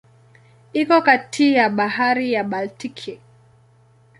Iko kati ya Bahari ya Baltiki.